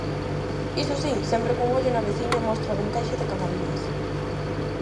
Iso si, sempre cun ollo na veciña Mostra do Encaixe de Camariñas.